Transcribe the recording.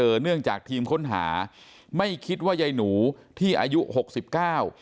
เนื่องจากทีมค้นหาไม่คิดว่ายายหนูที่อายุหกสิบเก้า